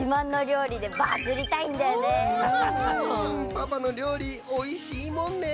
パパのりょうりおいしいもんね！